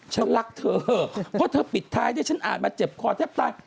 ฉันรักเธอเพราะเธอปิดท้ายที่ฉันอ่านมาเจ็บคอแทบตาย